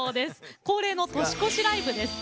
恒例の年越しライブです。